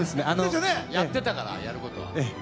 やってたから、やることは。